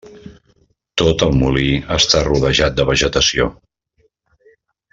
Tot el molí està rodejat de vegetació.